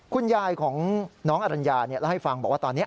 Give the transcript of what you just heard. คุณยายของน้องอรัญญาเล่าให้ฟังบอกว่าตอนนี้